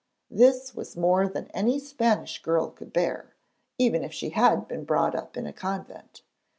This was more than any Spanish girl could bear, even if she had been brought up in a convent.